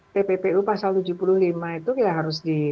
pppu pasal tujuh puluh lima itu